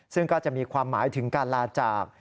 ซึ่งก็จะมีความหมายถึงการลาจาก